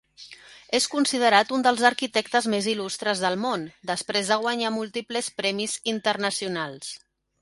És considerat un dels arquitectes més il·lustres del món, després de guanyar múltiples premis internacionals.